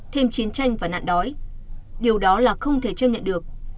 thêm chiến tranh và nạn đói điều đó là không thể chấp nhận được